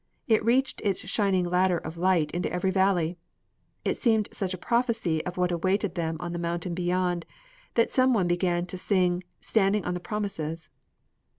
It reached its shining ladder of light into every valley. It seemed such a prophecy of what awaited them on the mountain beyond, that some one began to sing, "Standing on the Promises."